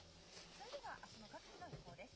それではあすの各地の予報です。